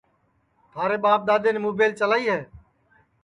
تھارے ٻاپ دؔادؔین مُبیل چلائی ہے